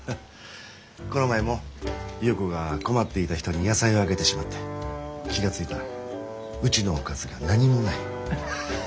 この前も優子が困っていた人に野菜をあげてしまって気が付いたらうちのおかずが何もない。